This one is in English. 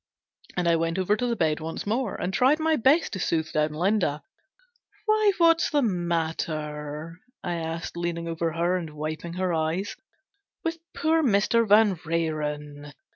And I went over to the bed once more and tried my best to soothe down Linda. " Why, what's the matter," I asked, leaning over her and wiping her eyes, " with poor Mr. Van renen